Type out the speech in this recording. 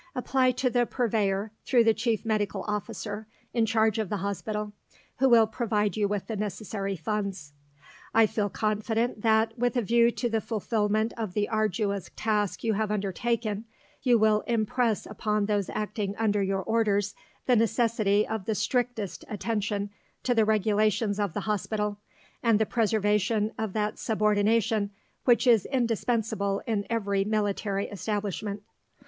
apply to the Purveyor through the Chief Medical Officer, in charge of the Hospital, who will provide you with the necessary funds. I feel confident that, with a view to the fulfilment of the arduous task you have undertaken, you will impress upon those acting under your orders the necessity of the strictest attention to the regulations of the Hospital, and the preservation of that subordination which is indispensable in every Military Establishment.